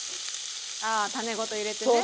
ああ種ごと入れてね。